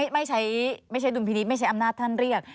ไม่ใช่ดุลพินิษฐ์ไม่ใช้อำนาจท่านเรียก